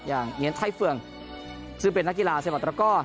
อย่างเงียนไทยเฟืองซึ่งเป็นนักกีฬาเสมอตรก็